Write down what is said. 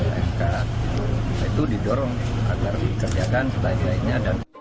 nah itu didorong agar dikerjakan sebaik baiknya